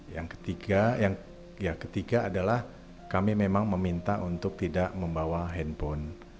yang ketiga yang ketiga adalah kami memang meminta untuk tidak membawa handphone